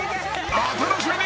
お楽しみに！